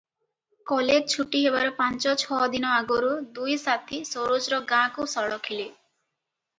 College ଛୁଟି ହେବାର ପାଞ୍ଚଛଅ ଦିନ ଆଗରୁ ଦୁଇ ସାଥୀ ସରୋଜର ଗାଁକୁ ସଳଖିଲେ ।